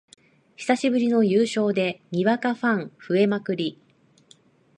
久しぶりの優勝でにわかファン増えまくり